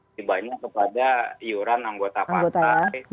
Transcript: sebanyak kepada iuran anggota partai